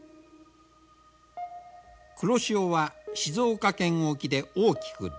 黒潮は静岡県沖で大きく蛇行する。